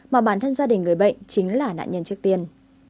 mà bản thân gia đình người bệnh chính là nạn nhân trước tiên